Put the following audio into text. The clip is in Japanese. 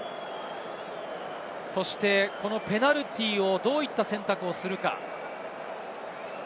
そしてペナルティーをどういった選択でするか？